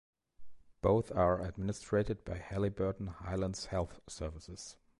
Both are administrated by Haliburton Highlands Health Services.